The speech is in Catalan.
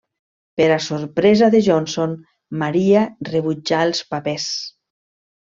Per a sorpresa de Johnson, Maria rebutjà els papers.